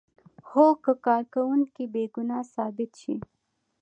هو که کارکوونکی بې ګناه ثابت شي.